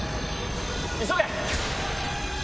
急げ！